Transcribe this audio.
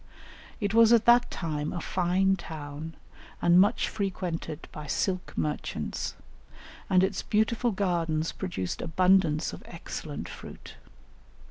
It was at that time a fine town and much frequented by silk merchants, and its beautiful gardens produced abundance of excellent fruit.